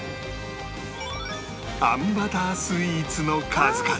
あんバタースイーツの数々